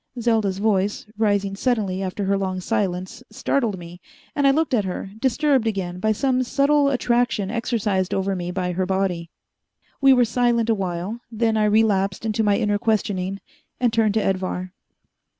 Selda's voice, rising suddenly after her long silence, startled me, and I looked at her, disturbed again by some subtle attraction exercised over me by her body. We were silent a while, then I relapsed into my inner questionings, and turned to Edvar.